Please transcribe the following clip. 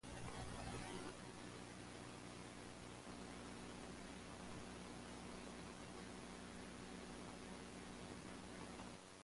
Polygamy and wife beating are relatively common in Uganda, but divorce is relatively rare.